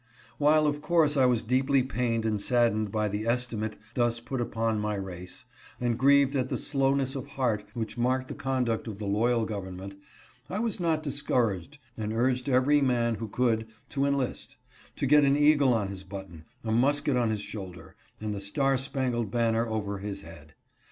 While of course I was deeply pained and saddened by the esti mate thus put upon my race, and grieved at the slowness of heart which marked the conduct of the loyal govern ment, I was not discouraged, and urged every man who could, to enlist ; to get an eagle on his button, a musket on his shoulder, and the star spangled banner over his head.